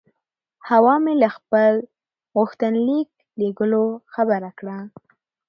حوا مې له خپل غوښتنلیک لېږلو خبره کړه.